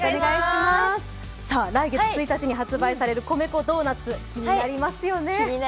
来月１日に発売される米粉ドーナツ、気になりますよね。